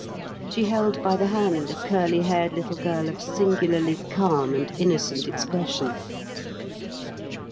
She held by the hand a curly haired little girl of singularly calm and innocent expression.